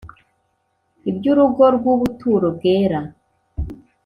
Iby’urugo rw’ubuturo bwera